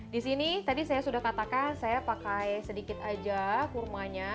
di sini tadi saya sudah katakan saya pakai sedikit aja kurmanya